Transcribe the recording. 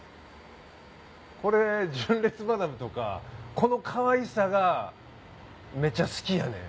これ純烈マダムとかこのかわいさがめちゃ好きやねん。